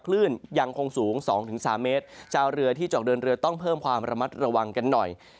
คลื่นยังคงสูง๒๓เมตรชาวเรือที่เจาะเดินเรือต้องเพิ่มความระมัดระวังกันหน่อย